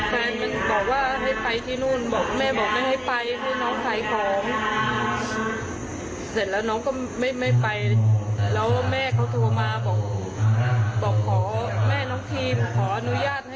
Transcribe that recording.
แต่ว่าอย่าไปหลายวันนะเพราะว่าน้องก็ช่วยแม่ไขของ